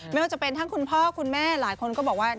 ไม่ว่าจะเป็นทั้งคุณพ่อคุณแม่หลายคนก็บอกว่า